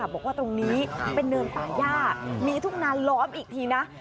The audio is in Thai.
บอกว่าตรงนี้เป็นเนินป่าย่ามีทุ่งนานล้อมอีกทีนะ